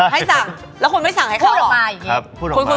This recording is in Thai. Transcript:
ให้สั่งแล้วคุณไม่สั่งให้เขาหรอ